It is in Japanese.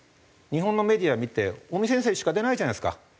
日本のメディア見て尾身先生しか出ないじゃないですか。